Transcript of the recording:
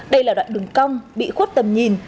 đây là đoạn đường cong bị khuất tầm nhìn